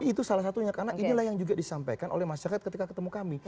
itu salah satunya karena inilah yang juga disampaikan oleh masyarakat ketika ketemu kami